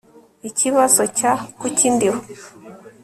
Ikibazo cya Kuki ndiho